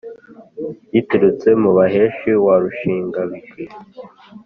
riturutse mu baheshi wa rushingabigwi